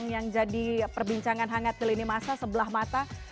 yang jadi perbincangan hangat ke lini masa sebelah mata